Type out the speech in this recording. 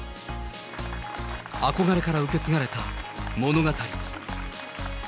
憧れから受け継がれた物語。